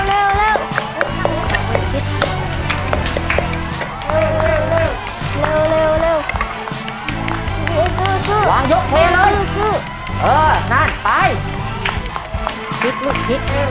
เร็วเร็วเร็วเร็ววางยกเลยเออนั่นไปพลิกพลิกเร็วเร็ว